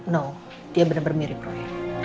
no dia benar benar mirip roy